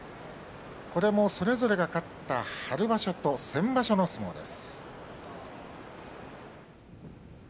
これもそれぞれが勝った春場所と先場所の相撲です。